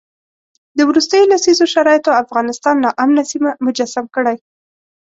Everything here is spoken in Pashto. د وروستیو لسیزو شرایطو افغانستان ناامنه سیمه مجسم کړی.